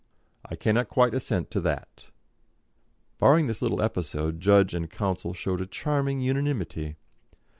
"I cannot quite assent to that." Barring this little episode judge and counsel showed a charming unanimity.